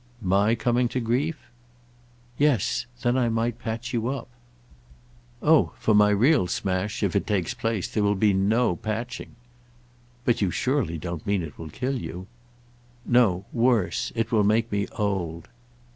"My coming to grief?" "Yes—then I might patch you up." "Oh for my real smash, if it takes place, there will be no patching." "But you surely don't mean it will kill you." "No—worse. It will make me old."